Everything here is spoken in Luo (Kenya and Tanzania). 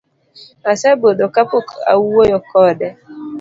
Asebudho kapok awuoyo kode